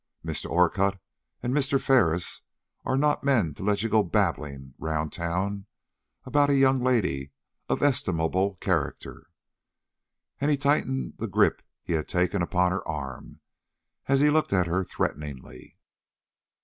Mr. Orcutt and Mr. Ferris are not men to let you go babbling round town about a young lady of estimable character." And he tightened the grip he had taken upon her arm and looked at her threateningly.